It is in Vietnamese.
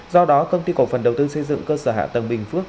do đó công ty cổ phần đầu tư xây dựng cơ sở hạ tầng bình phước